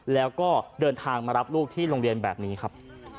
แล้วก็เดินทางมารับลูกที่โรงเรียนแบบนี้ครับ